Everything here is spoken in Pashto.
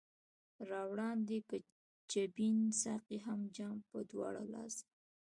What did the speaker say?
را وړاندي که جبين ساقي هم جام پۀ دواړه لاسه